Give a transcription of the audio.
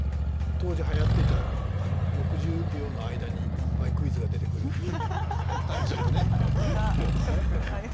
当時はやっていた６０秒の間にいっぱいクイズが出てくるあれですか。